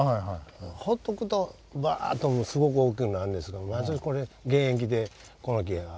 ほっとくとバーッとすごく大きくなるんですが毎年これ現役でこの木が活躍しておりますんで。